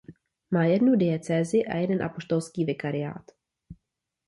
Má jednu diecézi a jeden apoštolský vikariát.